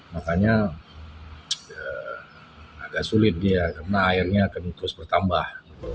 makanya agak sulit dia karena airnya akan terus bertambah